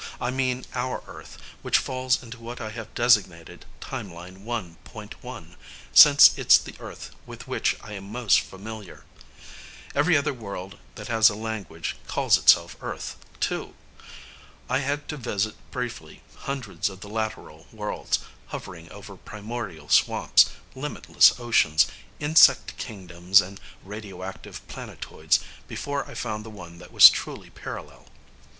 I mean our Earth, which falls into what I have designated Timeline One Point One, since it's the Earth with which I am most familiar. Every other world that has a language calls itself Earth, too. I had to visit briefly hundreds of the lateral worlds, hovering over primordial swamps, limitless oceans, insect kingdoms and radioactive planetoids, before I found the one that was truly parallel.